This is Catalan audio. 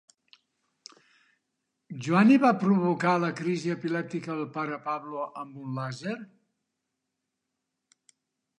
Joan i va provocar la crisi epilèptica del pare Pablo amb un làser?